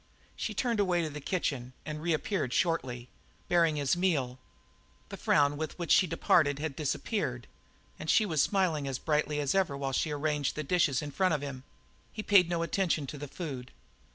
She turned away to the kitchen and reappeared shortly, bearing his meal. The frown with which she departed had disappeared, and she was smiling as brightly as ever while she arranged the dishes in front of him. He paid no attention to the food.